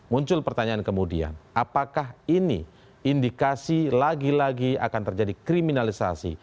muncul pertanyaan kemudian apakah ini indikasi lagi lagi akan terjadi kriminalisasi